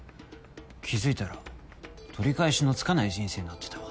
気付いたら取り返しのつかない人生になってたわ。